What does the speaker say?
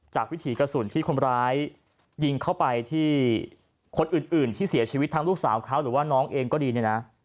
วิถีกระสุนที่คนร้ายยิงเข้าไปที่คนอื่นที่เสียชีวิตทั้งลูกสาวเขาหรือว่าน้องเองก็ดีเนี่ยนะ